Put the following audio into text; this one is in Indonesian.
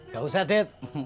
gak usah dut